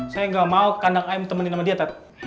saya ga mau kandang ayam temenin sama dia tat